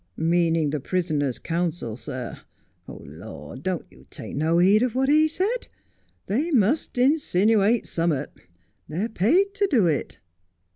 ' Meaning the prisoner's counsel, sir. Lord, don't you take no heed of what he said. They must insinooate some'at. They're paid to do it.'